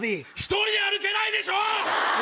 １人で歩けないでしょ！